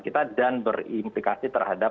kita dan berimplikasi terhadap